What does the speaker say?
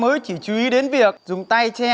mới chỉ chú ý đến việc dùng tay che